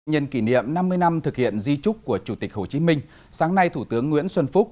nhân kỷ niệm năm mươi năm thực hiện di trúc của chủ tịch hồ chí minh sáng nay thủ tướng nguyễn xuân phúc